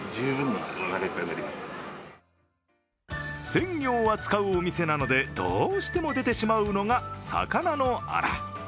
鮮魚を扱うお店なのでどうしても出てしまうのが魚のアラ。